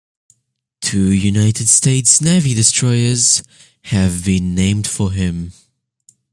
Two United States Navy destroyers have been named for him.